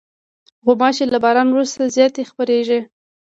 غوماشې له باران وروسته زیاتې خپرېږي.